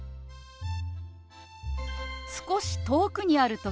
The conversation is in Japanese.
少し遠くにある時。